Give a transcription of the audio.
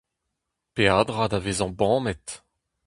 Peadra da vezañ bamet !